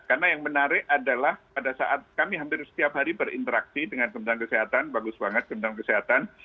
karena yang menarik adalah pada saat kami hampir setiap hari berinteraksi dengan kentang kesehatan bagus banget kentang kesehatan